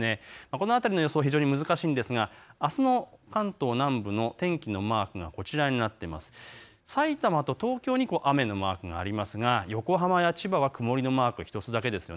この辺りの予想が難しいんですがあすの関東南部の天気のマーク、さいたまと東京に雨のマークがありますが横浜や千葉は曇りのマーク１つだけです。